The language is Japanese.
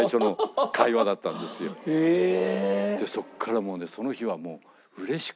そこからもうねその日はもう。